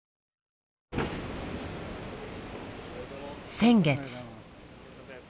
先月。